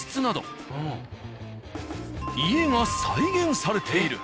家が再現されている。